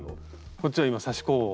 こっちは今刺し子を。